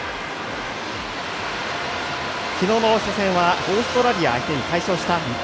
昨日の初戦はオーストラリア相手に大勝した日本。